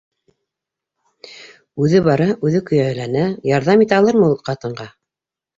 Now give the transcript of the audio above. Үҙе бара, үҙе көйәләнә: ярҙам итә алырмы ул ҡатынға?